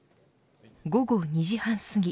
午後２時半すぎ